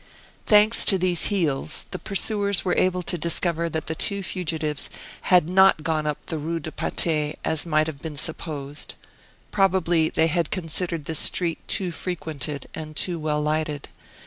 Thanks to these heels, the pursuers were able to discover that the two fugitives had not gone up the Rue de Patay, as might have been supposed. Probably they had considered this street too frequented, and too well lighted.